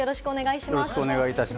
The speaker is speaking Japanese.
よろしくお願いします。